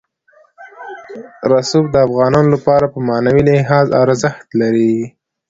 رسوب د افغانانو لپاره په معنوي لحاظ ارزښت لري.